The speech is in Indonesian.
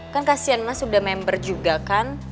kan kasian mas udah member juga kan